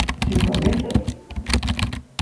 ¿Cinco meses?